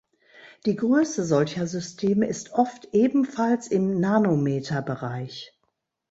Die Größe solcher Systeme ist oft ebenfalls im Nanometerbereich.